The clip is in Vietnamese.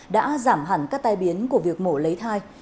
đã giảm hẳn các tai biến của việc mổ lấy thai